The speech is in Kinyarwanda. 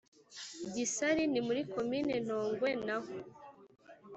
gisari ni muri komini ntongwe naho